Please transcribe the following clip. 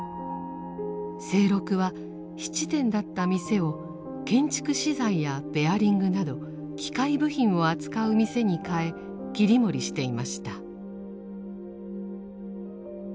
清六は質店だった店を建築資材やベアリングなど機械部品を扱う店に変え切り盛りしていました。